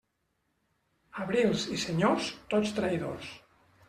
Abrils i senyors, tots traïdors.